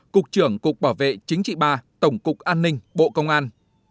cục trưởng cục bảo vệ chính trị ba tổng cục an ninh bộ công an